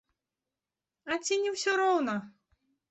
А ці не ўсё роўна?